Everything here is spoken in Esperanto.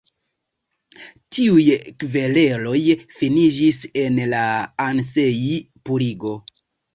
Tiuj kvereloj finiĝis en la Ansei-purigo.